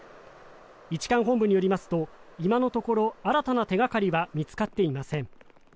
一管本部によりますと今のところ、新たな手がかりは見つかっていません。